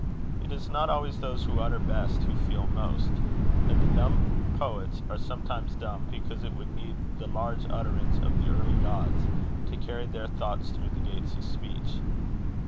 It is not always those who utter best who feel most; and the dumb poets are sometimes dumb because it would need the "large utterance of the early gods" to carry their thoughts through the gates of speech.